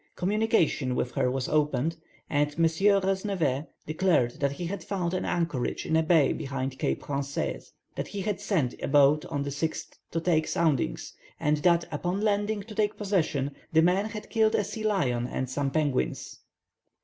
Communication with her was opened, and M. Rosnevet declared that he had found an anchorage in a bay behind Cape Français, that he had sent a boat on the 6th to take soundings, and that, upon landing to take possession, the men had killed a sea lion and some penguins.